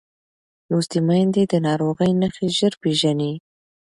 لوستې میندې د ناروغۍ نښې ژر پېژني.